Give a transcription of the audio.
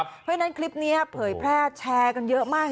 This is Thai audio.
เพราะฉะนั้นคลิปนี้เผยแพร่แชร์กันเยอะมาก